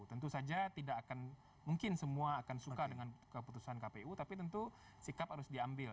tentu saja tidak akan mungkin semua akan suka dengan keputusan kpu tapi tentu sikap harus diambil